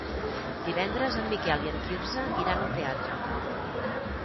Divendres en Miquel i en Quirze iran al teatre.